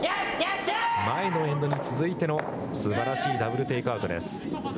前のエンドに続いてのすばらしいダブルテイクアウトです。